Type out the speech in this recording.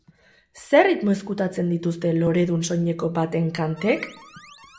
Zer erritmo ezkutatzen dituzte loredun soineko baten tantek?